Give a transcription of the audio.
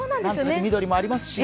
緑もありますし。